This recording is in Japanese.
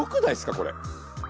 これ。